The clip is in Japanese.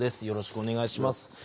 よろしくお願いします。